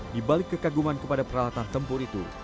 di balik kekaguman kepada peralatan tempur itu